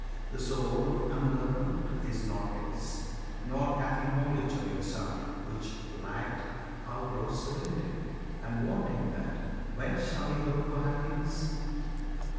The soul of the ungoverned is not his, Nor hath he knowledge of himself; which lacked, How grows serenity? and, wanting that, Whence shall he hope for happiness?